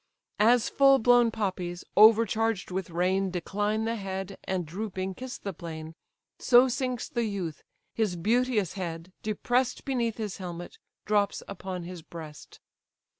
As full blown poppies, overcharged with rain, Decline the head, and drooping kiss the plain; So sinks the youth: his beauteous head, depress'd Beneath his helmet, drops upon his breast.